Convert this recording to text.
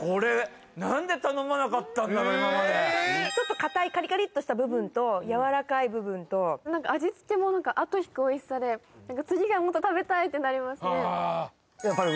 これちょっと硬いカリカリっとした部分とやわらかい部分と味つけもなんかあとひくおいしさで次がもっと食べたいってなりますね